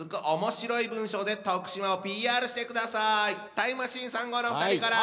タイムマシーン３号のお二人から。